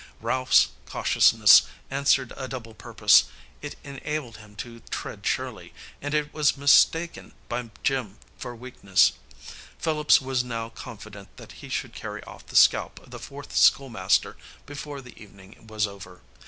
Ralph's cautiousness answered a double purpose; it enabled him to tread surely, and it was mistaken by Jim for weakness. Phillips was now confident that he should carry off the scalp of the fourth school master before the evening was over.